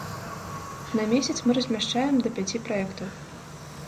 На месяц мы размяшчаем да пяці праектаў.